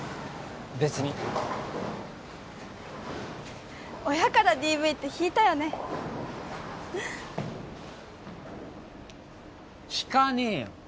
別に親からＤＶって引いたよね引かねえよ